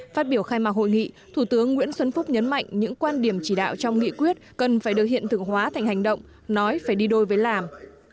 phát biểu khai mạc hội nghị thủ tướng nguyễn xuân phúc nhấn mạnh những quan điểm chỉ đạo trong nghị quyết cần phải được hiện thực hóa thành hành động nói phải đi đôi với làm